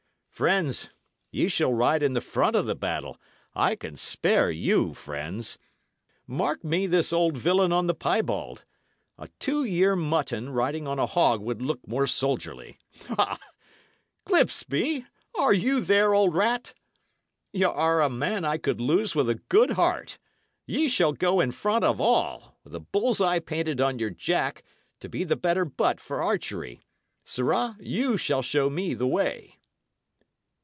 Friends, ye shall ride in the front of the battle; I can spare you, friends. Mark me this old villain on the piebald! A two year mutton riding on a hog would look more soldierly! Ha! Clipsby, are ye there, old rat? Y' are a man I could lose with a good heart; ye shall go in front of all, with a bull's eye painted on your jack, to be the better butt for archery; sirrah, ye shall show me the way."